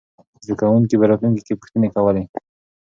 زده کوونکي به راتلونکې کې پوښتنې کوله.